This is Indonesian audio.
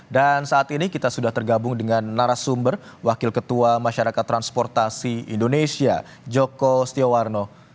dan saat ini kita sudah tergabung dengan narasumber wakil ketua masyarakat transportasi indonesia joko stiowarno